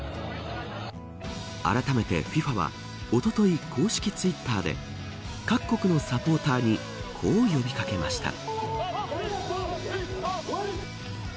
あらためて、ＦＩＦＡはおととい、公式ツイッターで各国のサポーターにこう呼び掛けました。